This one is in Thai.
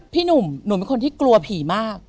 พี่หนุ่มหนูเป็นคนที่กลัวผีมาก